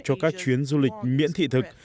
cho các chuyến du lịch miễn thị thực